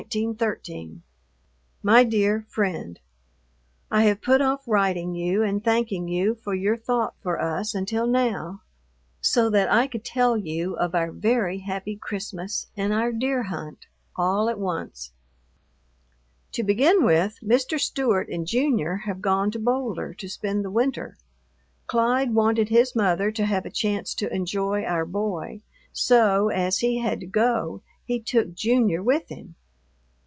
_ MY DEAR FRIEND, I have put off writing you and thanking you for your thought for us until now so that I could tell you of our very happy Christmas and our deer hunt all at once. To begin with, Mr. Stewart and Junior have gone to Boulder to spend the winter. Clyde wanted his mother to have a chance to enjoy our boy, so, as he had to go, he took Junior with him.